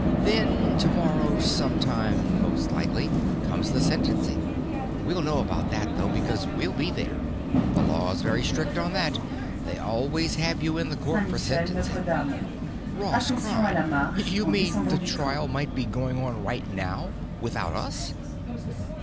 Then—tomorrow sometime, most likely—comes the sentencing. We'll know about that, though, because we'll be there. The law's very strict on that—they always have you in the court for sentencing." Ross cried, "You mean the trial might be going on right now without us?"